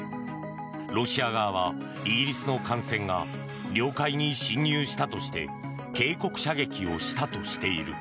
ロシア側はイギリスの艦船が領海に侵入したとして警告射撃をしたとしている。